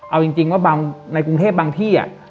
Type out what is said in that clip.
เอาจริงว่าบางในกรุงเทพบางที่